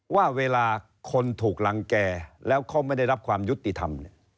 ว่าเวลาคนถูกรังแก่แล้วเขาไม่ได้รับความยุติธรรม